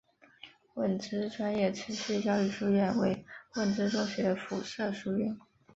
汇知专业持续教育书院为汇知中学附设书院。